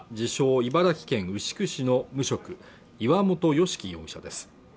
茨城県牛久市の無職岩本由紀容疑者です